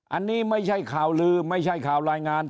อันนี้ไม่ใช่ข่าวลือไม่ใช่ข่าวรายงาน